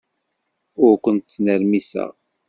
Ur ken-ttnermiseɣ.